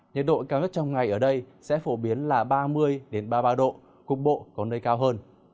nhiệt độ cao nhất trong ngày ở đây sẽ phổ biến là ba mươi ba mươi ba độ cục bộ có nơi cao hơn